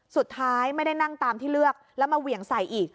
สุดท้ายไม่ได้นั่งตามที่เลือกแล้วมาเหวี่ยงใส่อีก